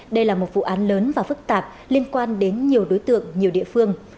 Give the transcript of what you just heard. đây là một vụ án lớn và phức tạp liên quan đến nhiều đối tượng nhiều địa phương